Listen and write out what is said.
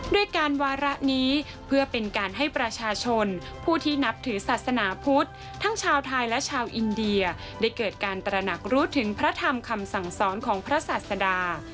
ด้วยการวาระนี้เพื่อเป็นการให้ประชาชนผู้ที่นับถือศาสนาพุทธทั้งชาวไทยและชาวอินเดียได้เกิดการตระหนักรู้ถึงพระธรรมคำสั่งสอนของพระศาสดา